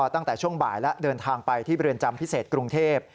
ตั้งแต่ช่วงบ่ายแล้วเดินทางไปที่เรือนจำพิเศษกรุงเทพ